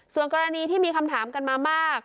ส่วนกรณีที่มีคำถามกันมามาก